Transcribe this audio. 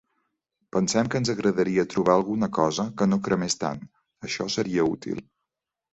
Pensem que ens agradaria trobar alguna cosa que no cremés tant, això seria útil.